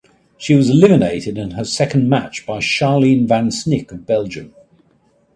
She was eliminated in her second match by Charline Van Snick of Belgium.